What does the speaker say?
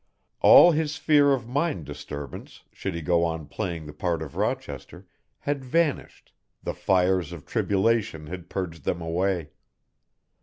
All his fear of mind disturbance should he go on playing the part of Rochester had vanished, the fires of tribulation had purged them away.